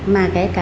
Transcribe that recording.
mà kể cả